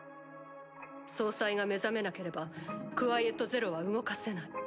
総裁が目覚めなければクワイエット・ゼロは動かせない。